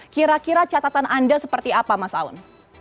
kira kira catatan anda seperti apa mas aun